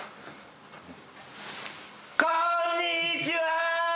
こんにちはー！